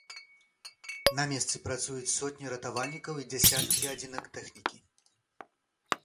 На месцы працуюць сотні ратавальнікаў і дзясяткі адзінак тэхнікі.